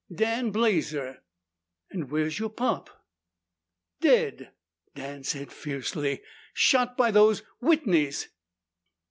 "Dan Blazer." "And where is your pop?" "Dead!" Dan said fiercely. "Shot by those Whitneys!"